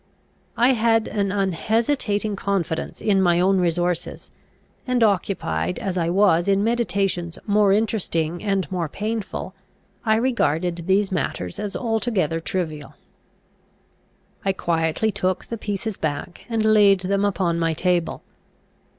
I had an unhesitating confidence in my own resources, and, occupied as I was in meditations more interesting and more painful, I regarded these matters as altogether trivial. I quietly took the pieces back, and laid them upon my table.